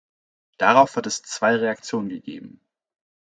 Darauf hat es zwei Reaktionen gegeben.